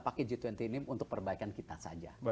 pakai g dua puluh ini untuk perbaikan kita saja